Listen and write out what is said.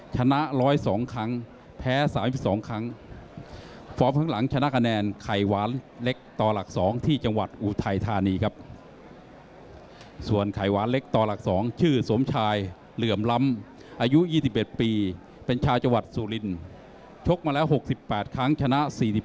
จังหวัดเชตรเชิงเซา